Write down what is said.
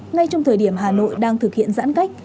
ngay trong thời điểm hà nội đang thực hiện giãn cách